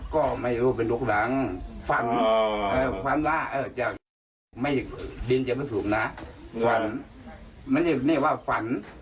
ก็ไม่รู้เป็นนุกรังฝันล่าดินจะไม่ถูกนะฝันนี่ว่าฝัน